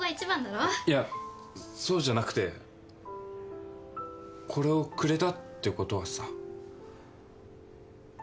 いやそうじゃなくてこれをくれたってことはさ。